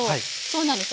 そうなんです。